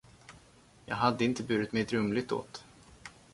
Jag hade inte burit mig drumligt åt.